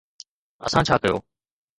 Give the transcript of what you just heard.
اسان ڇا ڪيو؟